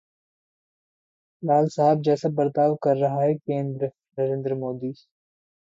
'लाट साहब' जैसा बर्ताव कर रहा है केंद्र: नरेंद्र मोदी